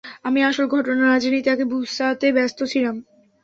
আমি আসল ঘটনা না জেনেই, তাকে বুঝাতে ব্যাস্ত ছিলাম।